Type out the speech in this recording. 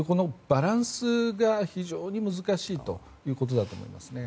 バランスが非常に難しいということだと思います。